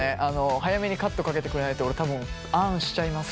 早めにカットかけてくれないと俺多分あんしちゃいます。